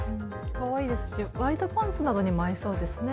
かわいいですしワイドパンツなどにも合いそうですね。